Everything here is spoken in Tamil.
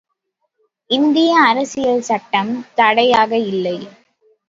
இந்திய அரசியல் சட்டம் தடையாக இல்லை.